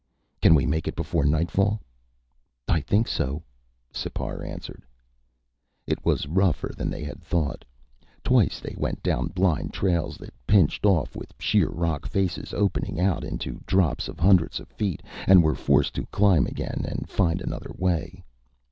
"Can we make it before nightfall?" "I think so," Sipar answered. It was rougher than they had thought. Twice they went down blind trails that pinched off, with sheer rock faces opening out into drops of hundreds of feet, and were forced to climb again and find another way.